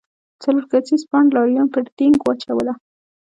څلور کسیز بانډ لاریون پر دینګ واچوله.